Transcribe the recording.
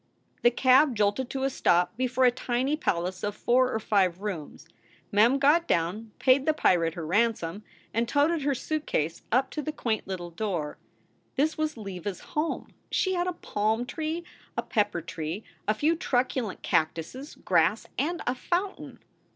The cab jolted to a stop before a tiny palace of four or five rooms. Mem got down, paid the pirate her ransom, and toted her suitcase up to the quaint little door. This was Leva s home! She had a palm tree, a pepper tree, a few truculent cactuses, grass, and a fountain.